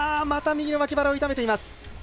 また右の脇腹を痛めています。